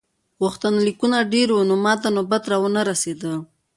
غوښتنلیکونه ډېر وو نو ماته نوبت را ونه رسیده.